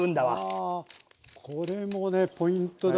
あこれもねポイントだ。